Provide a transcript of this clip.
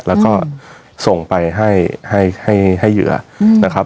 แล้วก็ส่งไปให้เหยื่อนะครับ